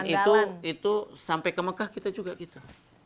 dan itu sampai ke mekah kita juga gitu